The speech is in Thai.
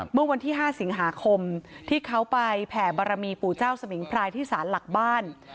เมื่อวันที่๕สิงหาคมที่เขาไปแผ่บารมีปู่เจ้าสมิงพรายที่ศาลหลักบ้าน